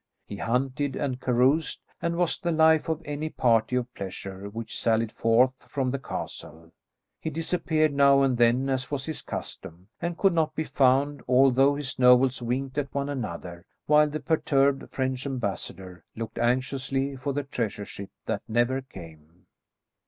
He hunted and caroused, and was the life of any party of pleasure which sallied forth from the castle. He disappeared now and then, as was his custom, and could not be found, although his nobles winked at one another, while the perturbed French ambassador looked anxiously for the treasure ship that never came.